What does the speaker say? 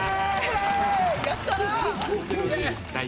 やったな！